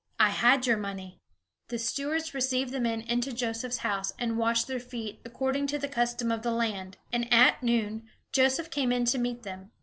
I had your money." The stewards received the men into Joseph's house, and washed their feet, according to the custom of the land. And at noon, Joseph came in to meet them.